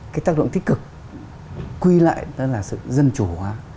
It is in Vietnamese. cái tác động tích cực quy lại đó là sự dân chủ hóa